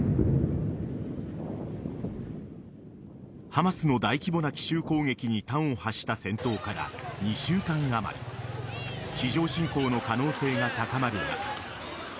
ハマスの大規模な奇襲攻撃に端を発した戦闘から２週間あまり地上侵攻の可能性が高まる中